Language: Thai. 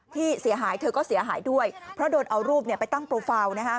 ที่เสียหายเธอก็เสียหายด้วยเพราะโดนเอารูปไปตั้งโปรไฟล์นะฮะ